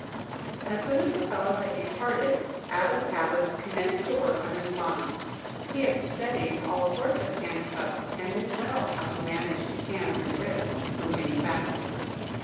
As soon as the fellow had departed, Adam Adams commenced to work on his bonds. He had studied all sorts of handcuffs, and knew well how to manage his hands and wrists when being fastened.